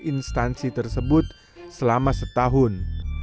instansi tersebut selama setahun